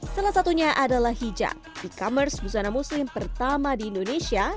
salah satunya adalah hijab e commerce busana muslim pertama di indonesia